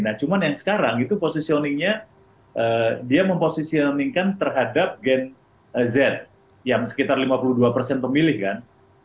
nah cuman yang sekarang itu posisioningnya dia memposisioningkan terhadap gen z yang sekitar lima puluh dua pemilih kan